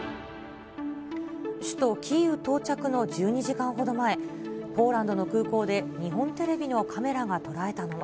首都キーウ到着の１２時間ほど前、ポーランドの空港で日本テレビのカメラが捉えたのは。